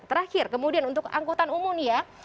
terakhir kemudian untuk angkutan umum ya